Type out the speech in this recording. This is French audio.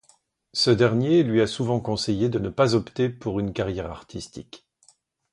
Ce dernier lui a souvent conseillé de ne pas opter pour une carrière artistique.